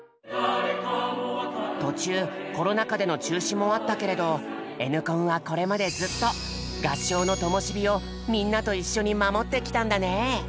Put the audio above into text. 途中コロナ禍での中止もあったけれど「Ｎコン」はこれまでずっと合唱のともし火をみんなと一緒に守ってきたんだね。